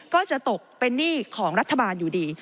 ก็จะตกเป็นหนี้ของรัฐบาลอยู่ดี